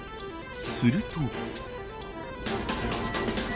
すると。